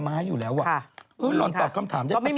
เขาคือสตรอเบอรี่จริง